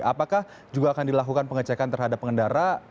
apakah juga akan dilakukan pengecekan terhadap pengendara